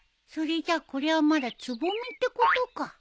それじゃあこれはまだつぼみってことか。